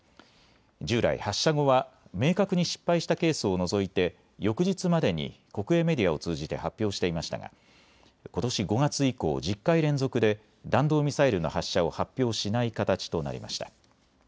従来、発射後は明確に失敗したケースを除いて翌日までに国営メディアを通じて発表していましたがことし５月以降、１０回連続で弾道ミサイルの発射を発表しない形となりました。